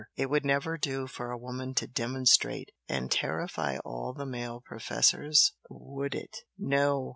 it would never do for a woman to 'demonstrate' and terrify all the male professors, would it! No!